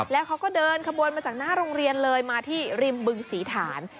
แล้วเขาก็เดินขบวนมาจากหน้าโรงเรียนเลยมาที่ริมบึงศรีฐาน